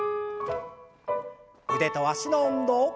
腕と脚の運動。